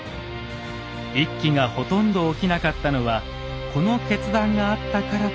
一揆がほとんど起きなかったのはこの決断があったからと考えられます。